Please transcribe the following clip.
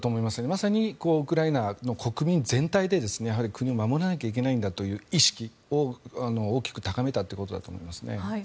まさにウクライナの国全体で国を守らなきゃいけないんだという意識を大きく高めたということだと思いますね。